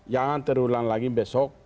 jangan terulang lagi besok